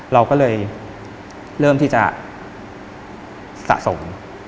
เราก็เลยเริ่มที่จะสะสม